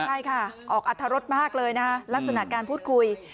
ใช่ค่ะออกอัตรรสมากเลยนะลักษณะการพูดคุย